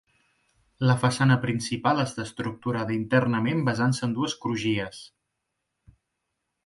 La façana principal està estructurada internament basant-se en dues crugies.